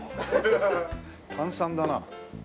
炭酸だな。